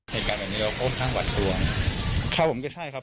เหตุการณ์แบบนี้เราค่อนข้างหวัดกลัวครับผมก็ใช่ครับ